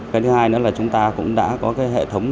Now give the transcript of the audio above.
cái thứ hai nữa là chúng ta cũng đã có cái hệ thống